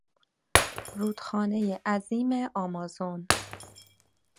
رودخانهی عظیم آمازون